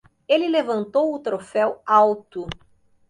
Ele levantou o troféu alto.